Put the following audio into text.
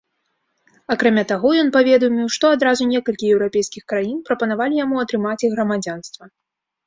Акрамя таго, ён паведаміў, што адразу некалькі еўрапейскіх краін прапанавалі яму атрымаць іх грамадзянства.